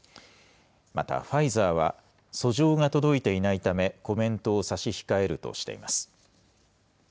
またファイザーは、訴状が届いていないため、コメントを差し控えるとしています。